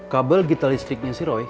kabel gitar listriknya si roy